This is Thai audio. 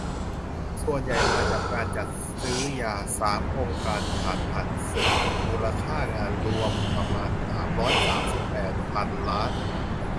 ส่วนใหญ่มาจากการจัดซื้อยา สาม องค์การทหารผ่านศึก มูลค่างานรวมประมาณ สามร้อยสามสิบแปด พันล้าน